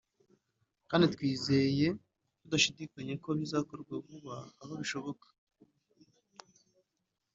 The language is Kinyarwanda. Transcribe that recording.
kandi twizeye tudashidikanya ko bizakorwa vuba aha bishoboka